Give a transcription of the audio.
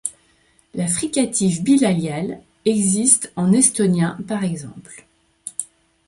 La fricative bilabiale existe en estonien, par exemple.